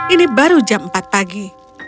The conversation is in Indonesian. ini baru jam empat pagi